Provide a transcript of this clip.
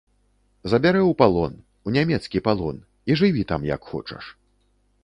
Забярэ ў палон, у нямецкі палон, і жыві там як хочаш.